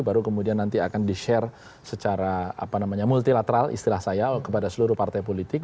baru kemudian nanti akan di share secara multilateral istilah saya kepada seluruh partai politik